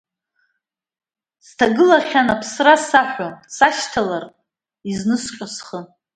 Сҭагылахьан аԥсра саҳәо, сашьҭалартә изнысҟьо схы.